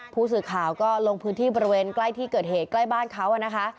ผู้สื่อข่าวก็ลงพื้นที่บริเวณใกล้ที่เกิดเหตุใกล้บ้านเขานะคะ